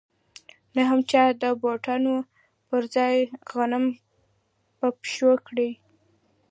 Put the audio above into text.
نه هم چا د بوټانو پر ځای غنم په پښو کړي